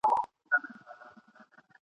د یوه لوی جشن صحنه جوړه سوې وه !.